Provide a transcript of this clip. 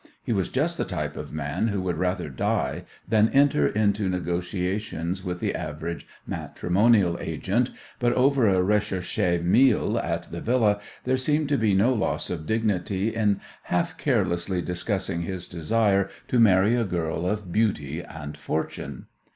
He was just the type of man who would rather die than enter into negotiations with the average matrimonial agent, but over a recherché meal at the Villa there seemed to be no loss of dignity in half carelessly discussing his desire to marry a girl of beauty and fortune.